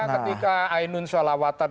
ketika ainun salawatan